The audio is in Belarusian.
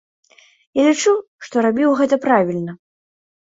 Я лічу, што рабіў гэта правільна.